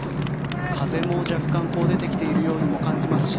風も若干出てきているように感じますし